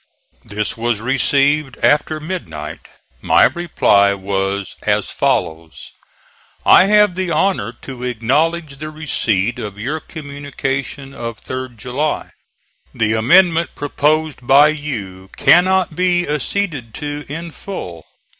This was received after midnight. My reply was as follows: "I have the honor to acknowledge the receipt of your communication of 3d July. The amendment proposed by you cannot be acceded to in full.